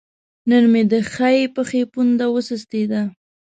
نن مې د ښۍ پښې پونده وسستې ده